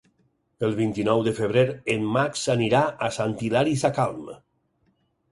El vint-i-nou de febrer en Max anirà a Sant Hilari Sacalm.